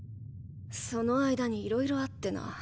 その間にいろいろあってな。